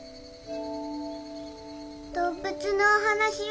動物のお話は？